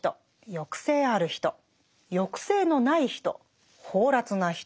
抑制ある人抑制のない人放埓な人。